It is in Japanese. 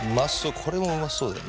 これもうまそうだよね。